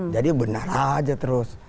jadi benar aja terus